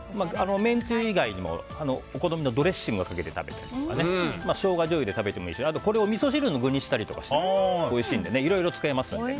めんつゆ以外にもお好みのドレッシングをかけて食べたりとかショウガじょうゆで食べてもいいしあと、これをみそ汁の具にしたりしてもおいしいのでいろいろ使えますので。